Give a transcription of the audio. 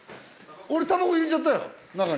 俺タバコ入れちゃったよ中に。